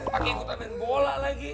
pake ikutan main bola lagi